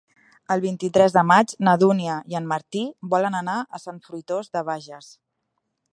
El vint-i-tres de maig na Dúnia i en Martí volen anar a Sant Fruitós de Bages.